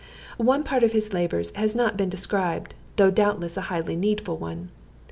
One part of his labors has not been described, though doubtless a highly needful one.